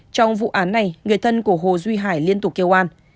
trong vụ án này người thân của hồ duy hải liên tục kêu an